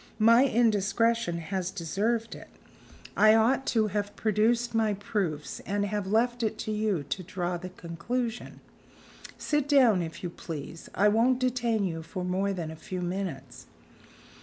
"My indiscretion has deserved it. I ought to have produced my proofs, and have left it to you to draw the conclusion. Sit down, if you please. I won't detain you for more than a few minutes."